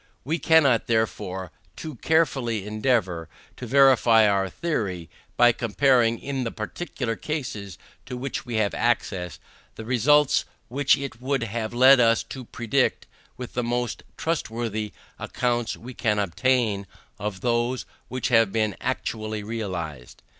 We cannot, therefore, too carefully endeavour to verify our theory, by comparing, in the particular cases to which we have access, the results which it would have led us to predict, with the most trustworthy accounts we can obtain of those which have been actually realized.